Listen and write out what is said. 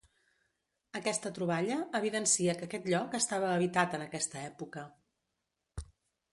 Aquesta troballa evidencia que aquest lloc estava habitat en aquesta època.